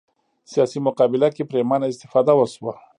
سیاسي مقابله کې پرېمانه استفاده وشوه